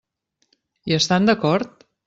Hi estan d'acord?